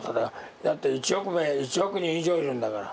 だって１億人以上いるんだから。